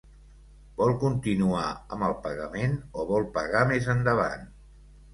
Vol continuar amb el pagament o vol pagar més endavant?